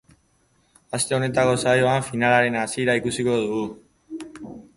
Aste honetako saioan, finalaren hasiera ikusiko dugu.